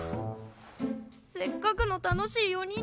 せっかくの楽しい４人旅行が。